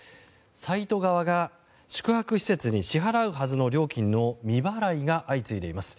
サイト側が宿泊施設に支払うはずの料金の未払いが相次いでいます。